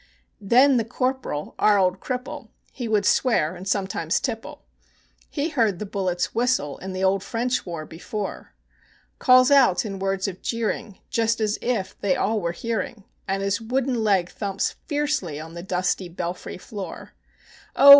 Then the Corporal, our old cripple (he would swear sometimes and tipple), He had heard the bullets whistle (in the old French war) before, Calls out in words of jeering, just as if they all were hearing, And his wooden leg thumps fiercely on the dusty belfry floor: "Oh!